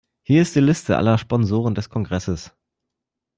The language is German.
Hier ist die Liste aller Sponsoren des Kongresses.